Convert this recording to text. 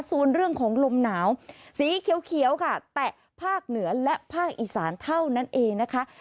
ส่วนเรื่องของลมหนาวสีเขียวค่ะแตะภาคเหนือและภาคอีสานเท่านั้นเองนะคะ